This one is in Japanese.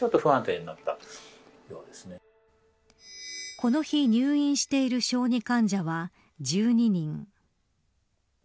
この日入院している小児患者は１２人。